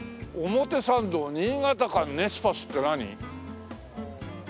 「表参道・新潟館ネスパス」って何？